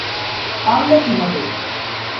পারলে কীভাবে?